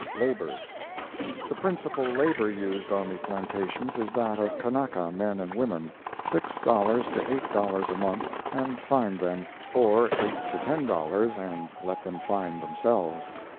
LABOR The principal labor used on the plantations is that of Kanaka men and women—six dollars to eight dollars a month and find them, or eight to ten dollars and let them find themselves.